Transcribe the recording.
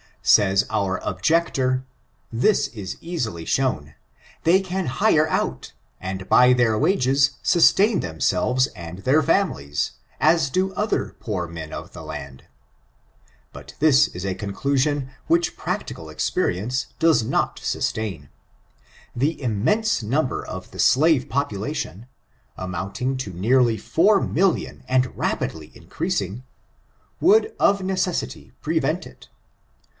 Says our objector, this is easily shown — they can hire out and by their wages sustain them selves and their families, as do other poor men of the land. But this is a conclusion which practical expe nence does not sustain. The immense number of the slave population (amounting to nearly four mil lion and rapidly increasing) would of necessity pre vent it.